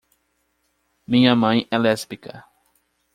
Minha mãe é lésbica.